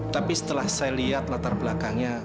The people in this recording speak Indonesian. tapi setelah saya lihat latar belakangnya